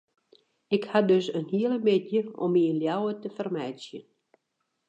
Ik ha dus in hiele middei om my yn Ljouwert te fermeitsjen.